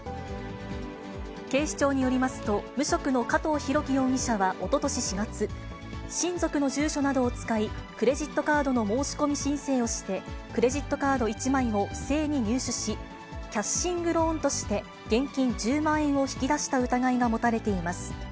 警視庁によりますと、無職の加藤浩樹容疑者はおととし４月、親族の住所などを使い、クレジットカードの申し込み申請をして、クレジットカード１枚を不正に入手し、キャッシングローンとして現金１０万円を引き出した疑いが持たれています。